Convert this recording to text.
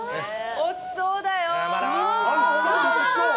落ちそうだよぉ！